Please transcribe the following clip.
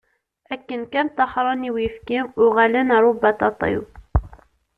Akken kan taxṛen i uyefki, uɣalen ar ubaṭaṭiw.